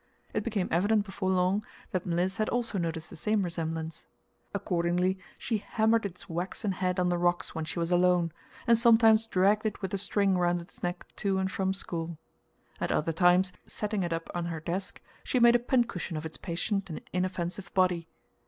It became evident before long that Mliss had also noticed the same resemblance. Accordingly she hammered its waxen head on the rocks when she was alone, and sometimes dragged it with a string round its neck to and from school. At other times, setting it up on her desk, she made a pincushion of its patient and inoffensive body.